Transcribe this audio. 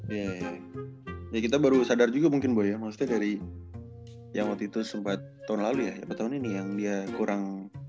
iya ya ya kita baru sadar juga mungkin boleh maksudnya dari yang waktu itu sempet tahun lalu ya apa tahun ini yang dia kurang